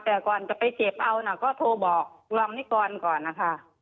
แต่ก่อนจะไปเจ็บเอานะก็โทรบอกรองนิกรก่อนนะคะ